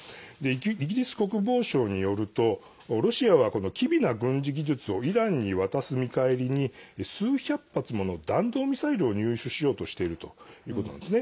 イギリス国防省によるとロシアは、この機微な軍事技術をイランに渡す見返りに数百発もの弾道ミサイルを入手しようとしているということなんですね。